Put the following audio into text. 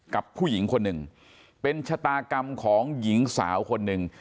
กับผู้หญิงคนหนึ่งเป็นชะตากรรมของหญิงสาวคนหนึ่ง